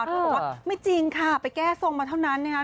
เธอบอกว่าไม่จริงค่ะไปแก้ทรงมาเท่านั้นนะคะ